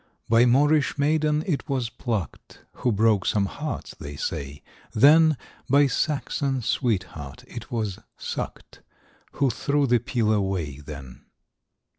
By Moorish maiden it was pluck'd, Who broke some hearts, they say, then, By Saxon sweetheart it was suck'd,— Who threw the peel away then.